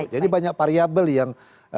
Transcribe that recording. jadi banyak variabel yang